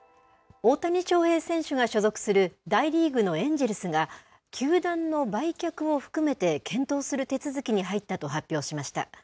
大谷翔平選手が所属する、大リーグのエンジェルスが、球団の売却を含めて検討する手続きに入ったと発表しました。